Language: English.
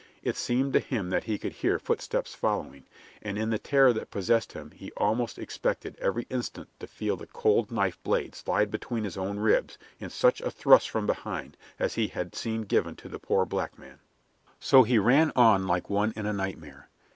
It seemed to him that he could hear footsteps following, and in the terror that possessed him he almost expected every instant to feel the cold knife blade slide between his own ribs in such a thrust from behind as he had seen given to the poor black man. So he ran on like one in a nightmare.